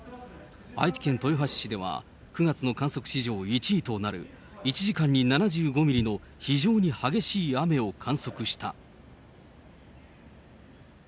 愛知県豊橋市では９月の観測史上１位となる、１時間に７５ミリの非常に激しい雨を観測した。